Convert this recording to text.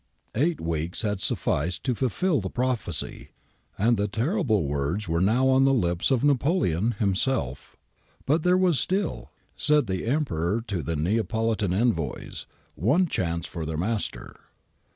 '^ Eight weeks had sufficed to fulfil the prophecy, and the ' terrible words ' were now on the lips of Napoleon himself But there was still, said the Emperor to the Neapolitan envoys, one chance for their master.